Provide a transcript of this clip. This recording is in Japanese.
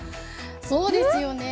そうですよね。